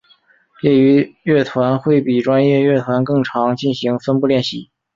业余乐团会比专业乐团更常进行分部练习。